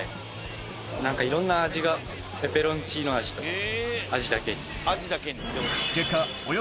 何かいろんな味がペペロンチーノ味とか。